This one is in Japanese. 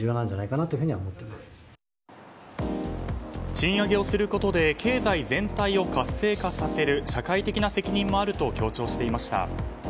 賃上げをすることで経済全体を活性化させる社会的な責任もあると強調していました。